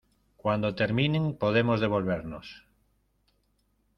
cuando terminen podemos devolvernos.